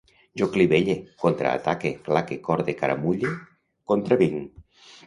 Jo clivelle, contraataque, claque, corde, caramulle, contravinc